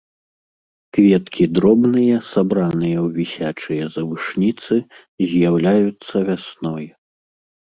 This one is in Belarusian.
Кветкі дробныя, сабраныя ў вісячыя завушніцы, з'яўляюцца вясной.